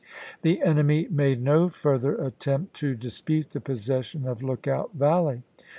The enemy made no further at tempt to dispute the possession of Lookout Valley.